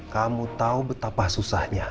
kamu tahu betapa susahnya